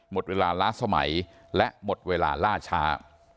หมดเวลาล้าสมัยและหมดเวลาล่าช้า